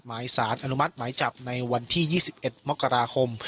หมายสารอนุมัติหมายจับในวันที่ยี่สิบเอ็ดมกราคม